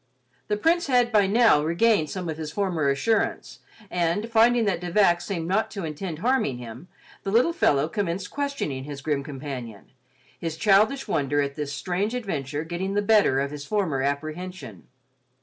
The Prince had by now regained some of his former assurance and, finding that De Vac seemed not to intend harming him, the little fellow commenced questioning his grim companion, his childish wonder at this strange adventure getting the better of his former apprehension.